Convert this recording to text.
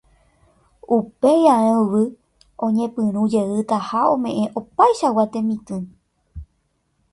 upéi ae yvy oñepyrũjeytaha ome'ẽ opaichagua temitỹ